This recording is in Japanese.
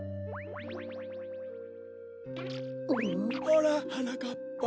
ほらはなかっぱ。